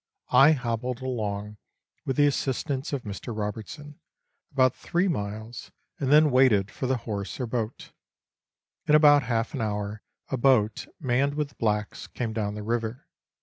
I hobbled along, with the assistance of Mr. Robertson, about three miles, and then waited for the horse or boat. In about half an hour a boat, manned with blacks, came down the river.